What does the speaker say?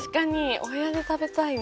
お部屋で食べたいね。